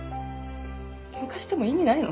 喧嘩しても意味ないの。